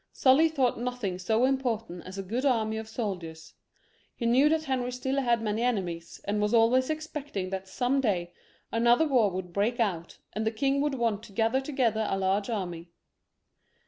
Sully thought nothing so important as a good army of soldiers ; he knew that Henry still had many enemies, and was always expect ing that some day another war would break out and the king would want to gather together a large army.